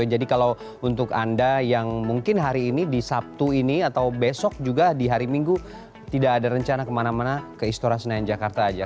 jadi kalau untuk anda yang mungkin hari ini di sabtu ini atau besok juga di hari minggu tidak ada rencana kemana mana ke istora senayan jakarta saja